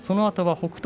北勝